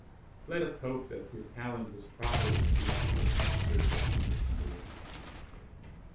Let us hope that his talent was properly appreciated in the circles in which he moved.